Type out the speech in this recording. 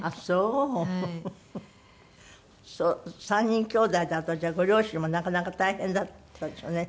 ３人きょうだいだとじゃあご両親もなかなか大変だったでしょうね。